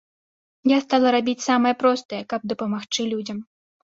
Я стала рабіць самае простае, каб дапамагчы людзям.